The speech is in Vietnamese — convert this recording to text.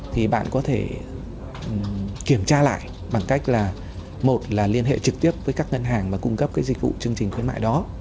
thì bạn có thể kiểm tra lại bằng cách là một là liên hệ trực tiếp với các ngân hàng mà cung cấp cái dịch vụ chương trình khuyến mại đó